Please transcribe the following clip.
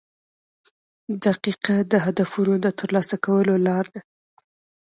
• دقیقه د هدفونو د ترلاسه کولو لار ده.